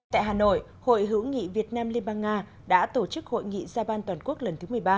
tại hà nội hội hữu nghị việt nam liên bang nga đã tổ chức hội nghị gia ban toàn quốc lần thứ một mươi ba